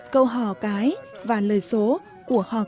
câu hò cái và lời số của hò con cũng có tính tự tình